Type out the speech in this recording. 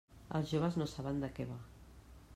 Els joves no saben de què va.